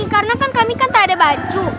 karena kan kami kan tak ada baju